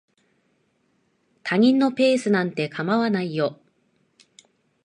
他人のペースなんて構わないよ。